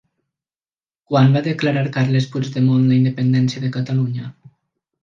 Quan va declarar Carles Puigdemont la independència de Catalunya?